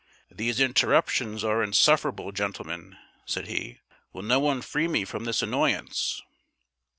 "These interruptions are insufferable, gentlemen," said he; "will no one free me from this annoyance?"